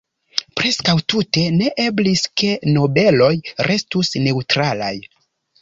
Preskaŭ tute ne eblis ke nobeloj restus neŭtralaj.